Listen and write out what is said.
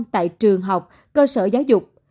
tại trường học cơ sở giáo dục